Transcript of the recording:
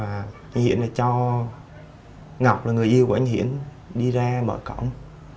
anh hiển đã cho ngọc là người yêu của anh hiển đi ra mở cổng